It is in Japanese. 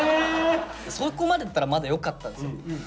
そこまでだったらまだよかったんですよ。